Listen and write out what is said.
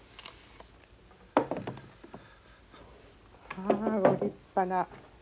はあご立派な。